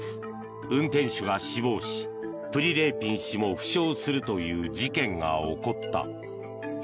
運転手が死亡しプリレーピン氏も負傷するという事件が起こった。